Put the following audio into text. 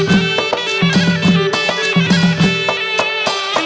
วู้วู้วู้